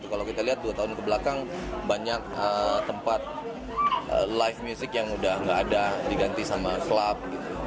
kalau kita lihat dua tahun kebelakang banyak tempat live music yang udah gak ada diganti sama klub